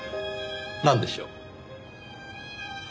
なんでしょう？